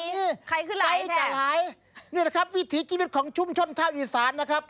นี่แหละครับวิธีชีวิตของชุมชนชาวอีสานนะครับ